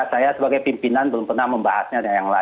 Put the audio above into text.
saya sebagai pimpinan belum pernah membahasnya dengan yang lain